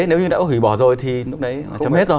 nếu như đã hủy bỏ rồi thì lúc đấy chấm hết rồi